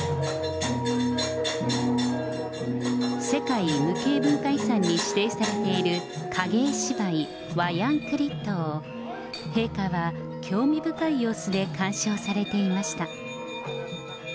世界無形文化遺産に指定されている影絵芝居、ワヤン・クリットを陛下は興味深い様子で鑑賞されていました。